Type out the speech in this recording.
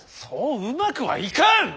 そううまくはいかん！